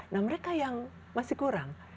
nah mereka yang masih kurang